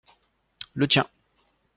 Le tien.